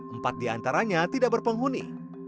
empat di antaranya tidak berpenghuni